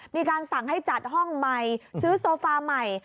มีการสั่งให้จัดห้องใหม่ซื้อโซฟาใหม่